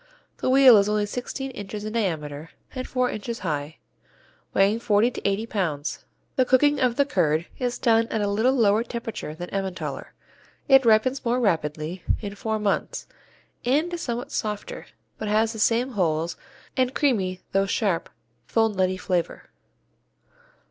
The "wheel" is only sixteen inches in diameter and four inches high, weighing forty to eighty pounds. The cooking of the curd is done at a little lower temperature than Emmentaler, it ripens more rapidly in four months and is somewhat softer, but has the same holes and creamy though sharp, full nutty flavor.